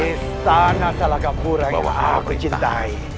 istana salakapura yang aku cintai